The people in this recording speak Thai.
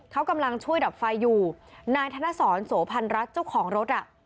เขากำลังช่วยดับไฟอยู่นายธนสรโสพันรัฐเจ้าของรถอ่ะ